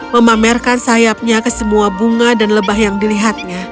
memamerkan sayapnya ke semua bunga dan lebah yang dilihatnya